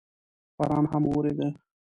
باران هم اورېده.